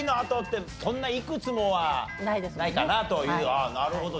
ああなるほど。